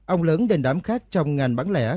ông lớn đền đám khác trong ngành bán lễ